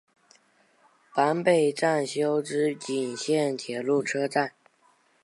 坂北站筱之井线铁路车站。